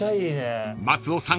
［松尾さん